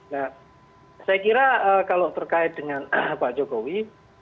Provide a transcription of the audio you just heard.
nah saya kira kalau terkait dengan pak jokowi